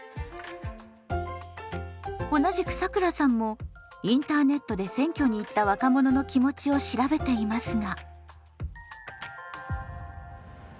同じくさくらさんもインターネットで選挙に行った若者の気持ちを調べていますが。